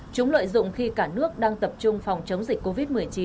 chúng lợi dụng khi cả nước đang tập trung phòng chống dịch covid một mươi chín